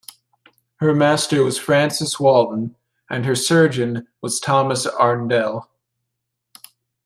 Her master was Francis Walton and her surgeon was Thomas Arndell.